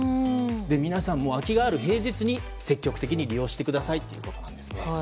皆さんも空きがある平日に積極的に利用してくださいということですね。